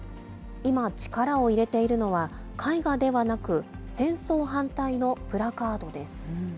今、力を入れているのは絵画ではなく、戦争反対のプラカードです。